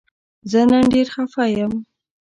زه نن ډیر خفه یم